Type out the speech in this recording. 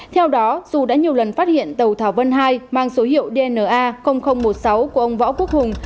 theo đó dù đã nhiều lần phát hiện tàu thảo vân hai mang số hiệu dna một mươi sáu của ông võ quốc hùng